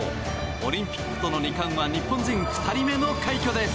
オリンピックとの２冠は日本人２人目の快挙です。